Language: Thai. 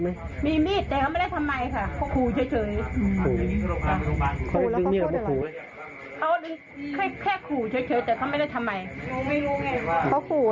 แล้วมีอาวุธไหมไม่มีอาวุธ